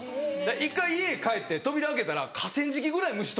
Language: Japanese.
一回家へ帰って扉開けたら河川敷ぐらい虫飛んでて。